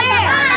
oh gitu enak